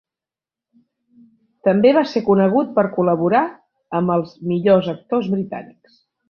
També va ser conegut per col·laborar amb els millors actors britànics.